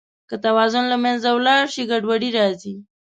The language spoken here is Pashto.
که توازن له منځه ولاړ شي، ګډوډي راځي.